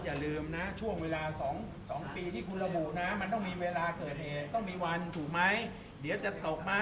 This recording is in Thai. ว่ามีการกิดรถกิดลานะครับซึ่งรายละเอียดต่างนี่ก็อยู่ในสำนวนสองส่วนนะครับ